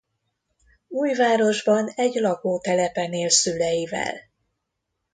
Újvárosban egy lakótelepen él szüleivel.